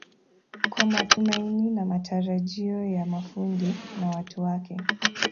kwa matumaini na matarajio ya mafundi na watu wake